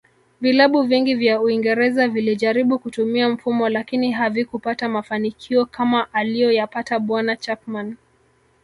Vilabu vingi vya uingereza vilijaribu kutumia mfumo lakini havikupata mafanikio kama aliyoyapata bwana Chapman